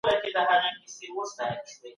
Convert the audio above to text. ځان او اولاد وساتئ.